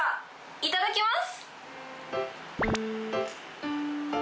いただきます。